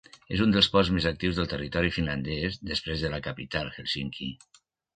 És un dels ports més actius del territori finlandès, després de la capital Hèlsinki.